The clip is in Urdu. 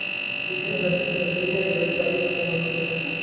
صنعتی ترقی سے بے روزگاری ختم ہوتی ہے